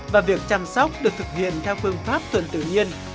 và việc chăm sóc được thực hiện theo phương pháp tuần tự nhiên